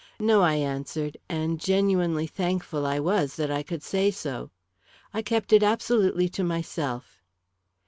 "No," I answered, and genuinely thankful I was that I could say so. "I kept it absolutely to myself."